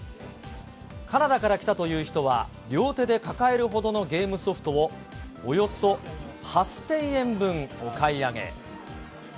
カナダから来たという人は、両手で抱えるほどのゲームソフトをおよそ８０００円分お買い上げ。